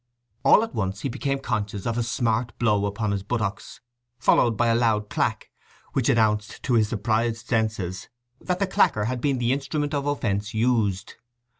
All at once he became conscious of a smart blow upon his buttocks, followed by a loud clack, which announced to his surprised senses that the clacker had been the instrument of offence used.